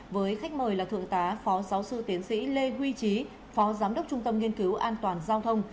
với khách mời là thượng tá phó giáo sư tiến sĩ lê huy trí phó giám đốc trung tâm nghiên cứu an toàn giao thông